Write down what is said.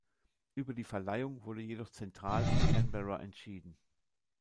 Über die Verleihung wurde jedoch zentral in Canberra entschieden.